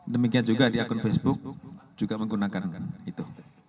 demikian juga di akun facebook juga menggunakan kanker itu